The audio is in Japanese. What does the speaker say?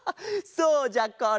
そうじゃこれ。